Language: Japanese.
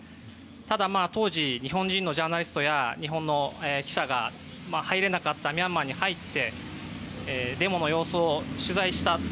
ただ当時日本人のジャーナリストや日本の記者が入れなかったミャンマーに入ってデモの様子を取材した。